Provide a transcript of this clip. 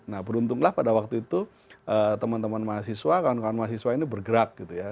nah beruntunglah pada waktu itu teman teman mahasiswa kawan kawan mahasiswa ini bergerak gitu ya